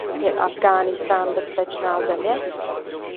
Je Afghánistán bezpečná země?